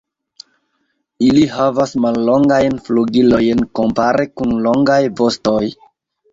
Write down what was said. Ili havas mallongajn flugilojn kompare kun longaj vostoj.